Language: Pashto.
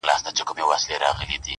خو څه نه سي ويلای تل,